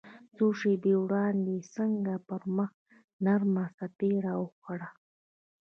څو شېبې وړاندې يې څنګه پر مخ نرمه څپېړه وخوړه.